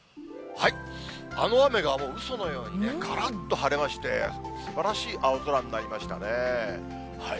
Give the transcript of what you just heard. あの雨がうそのようにからっと晴れまして、すばらしい青空になりましたね。